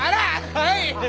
はい！